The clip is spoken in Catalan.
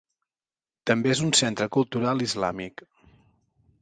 També és un centre cultural islàmic.